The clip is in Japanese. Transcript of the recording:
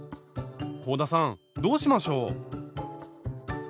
香田さんどうしましょう？